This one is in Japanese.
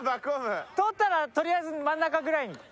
捕ったらとりあえず真ん中ぐらいに。